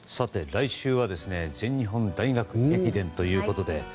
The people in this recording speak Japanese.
来週は全日本大学駅伝ということで。